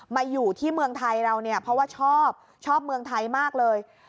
มาอยู่ที่เมืองไทยเราเนี่ยเพราะว่าชอบชอบเมืองไทยมากเลย